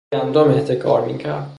او گندم احتکار میکرد.